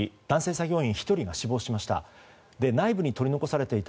作業員１人が死亡しました。